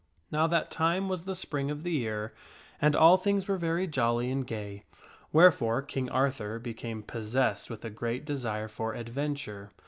Now that time was the spring of the year, and all things were very jolly and gay, wherefore King Arthur became possessed with a great desire for adventure.